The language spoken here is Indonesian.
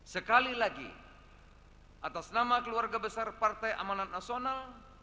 sekali lagi atas nama keluarga besar partai amanat nasional